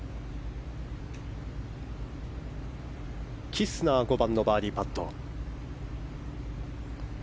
キスナー５番のバーディーパット。